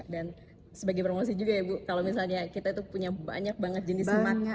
dan sebagai promosi juga ya ibu kalau misalnya kita itu punya banyak banget jenis makanan indonesia